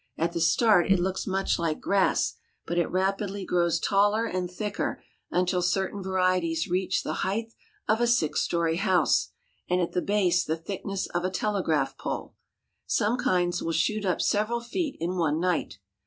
At the start it looks much like grass, but it rapidly grows taller and thicker until certain varieties reach the height of a six story CHINESE FARMS AND FARMING 163 house, and at the base the thickness of a telegraph pole. Some kinds will shoot up several feet in one night.